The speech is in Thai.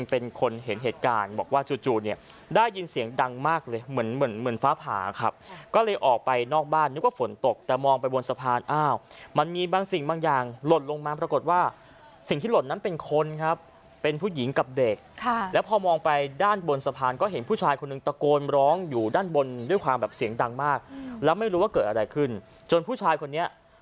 เป็นคนเห็นเหตุการณ์บอกว่าจู่จู่เนี่ยได้ยินเสียงดังมากเลยเหมือนเหมือนฟ้าผ่าครับก็เลยออกไปนอกบ้านนึกว่าฝนตกแต่มองไปบนสะพานอ้าวมันมีบางสิ่งบางอย่างหล่นลงมาปรากฏว่าสิ่งที่หล่นนั้นเป็นคนครับเป็นผู้หญิงกับเด็กค่ะแล้วพอมองไปด้านบนสะพานก็เห็นผู้ชายคนหนึ่งตะโกนร้องอยู่ด้านบนด้วยความแบบเสียงดังมากแล้วไม่รู้ว่าเกิดอะไรขึ้นจนผู้ชายคนนี้